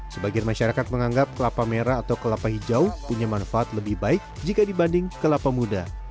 sebagian masyarakat menganggap kelapa merah atau kelapa hijau punya manfaat lebih baik jika dibanding kelapa muda